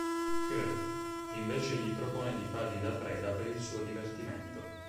Kirk invece gli propone di fargli da preda per il suo divertimento.